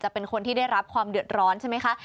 เป็นคนที่ได้รับความเดือดร้อนใช่ไหมคะ